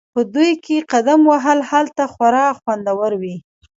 په دوبي کې قدم وهل هلته خورا خوندور وي